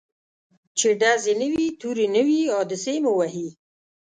چي ډزي نه وي توری نه وي حادثې مو وهي